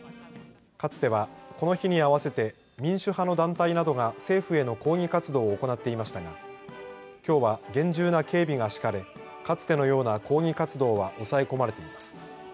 かつては、この日にあわせて民主派の団体などが政府への抗議活動を行っていましたがきょうは厳重な警備が敷かれかつてのような抗議活動は抑え込まれています。